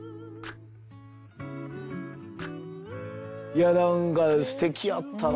いや何かすてきやったな。